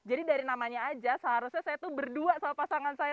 jadi dari namanya saja seharusnya saya berdua sama pasangan saya